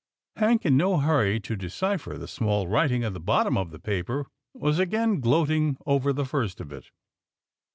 Hank, in no hurry to decipher the small writing at the bottom of the paper, was again gloating over the first of it.